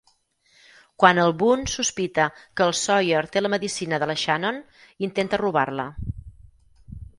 Quan el Boone sospita que el Sawyer té la medicina de la Shannon, intenta robar-la.